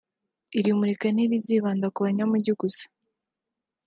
Iri murika ntirizibanda ku banyamujyi gusa